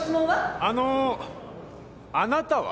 あのあなたは？